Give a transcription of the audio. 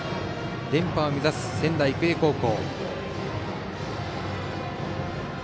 連覇を目指す仙台育英高校。